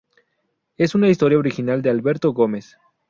Es una historia original de Alberto Gómez.